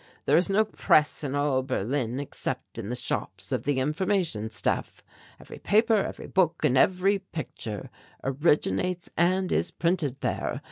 There is no press in all Berlin except in the shops of the Information Staff. Every paper, every book, and every picture originates and is printed there.